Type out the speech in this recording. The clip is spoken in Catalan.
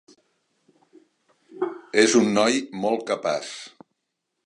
És un noi molt capaç.